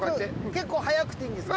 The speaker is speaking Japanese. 結構速くていいんですか？